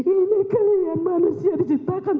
ini kalian manusia diciptakan